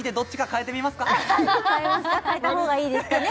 変えた方がいいですかね？